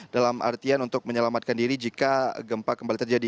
dalam artian untuk menyelamatkan diri jika gempa kembali terjadi